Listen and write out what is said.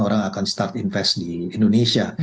orang akan start invest di indonesia